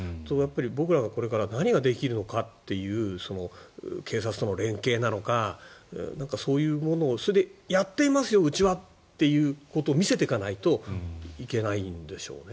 僕らがこれから何ができるのかっていう警察との連携なのかそういうものをそれで、やっていますようちはということを見せていかないといけないんでしょうね。